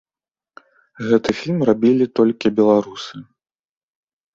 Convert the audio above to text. Гэты фільм рабілі толькі беларусы.